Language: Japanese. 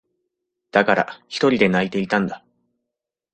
だから、ひとりで泣いていたんだ。